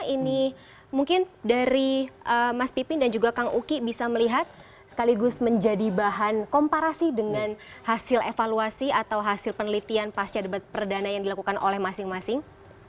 ini mungkin dari mas pipin dan juga kang uki bisa melihat sekaligus menjadi bahan komparasi dengan hasil evaluasi atau hasil penelitian pasca debat perdana yang dilakukan oleh masing masing